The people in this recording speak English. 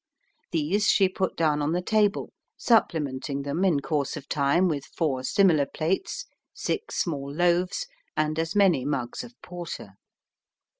These she put down on the table, supplementing them in course of time with four similar plates, six small loaves, and as many mugs of porter.